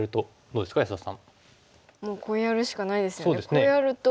こうやると。